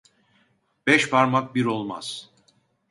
Beş parmak bir olmaz.